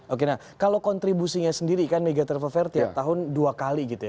oke nah kalau kontribusinya sendiri kan mega travel fair tiap tahun dua kali gitu ya